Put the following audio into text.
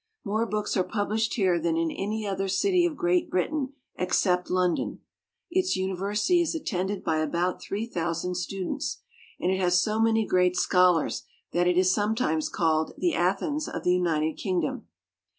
More books are published here than in any other city of Great Britain, except London ; its university is attended by about three thousand students, and it has so many great scholars that it is sometimes called the Athens of the United Kingdom.